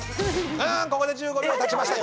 ここで１５秒たちました。